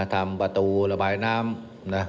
ทำประตูระบายน้ำนะ